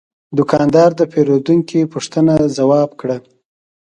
دوکاندار د پیرودونکي پوښتنه ځواب کړه.